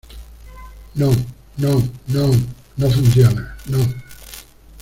no, no , no. no funciona , no .